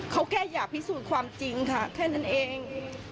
เขาแค่อยากพิสูจน์ความจริงค่ะแค่นั้นเอง